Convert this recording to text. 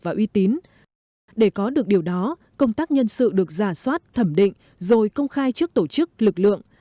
và uy tín để có được điều đó công tác nhân sự được giả soát thẩm định rồi công khai trước tổ chức lực lượng